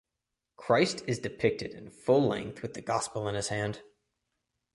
Christ is depicted in full length with the gospel in his hand.